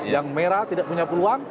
yang merah tidak punya peluang